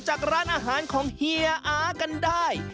จากร้านอาหารของเฮียอากันได้